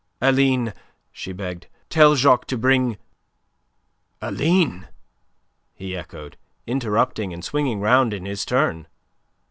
"Aline," she begged, "tell Jacques to bring..." "Aline!" he echoed, interrupting, and swinging round in his turn.